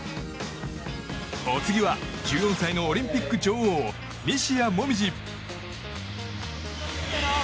お次は、１４歳のオリンピック女王・西矢椛。